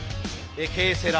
Ｋセラ